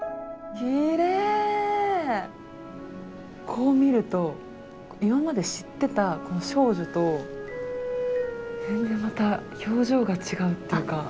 こう見ると今まで知ってた少女と全然また表情が違うっていうか。